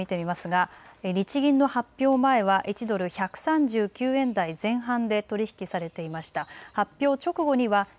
改めて見てみますが日銀の発表前は１ドル１３９円台前半で取り引きされていました。